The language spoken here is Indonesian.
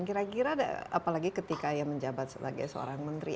kira kira apalagi ketika ia menjabat sebagai seorang menteri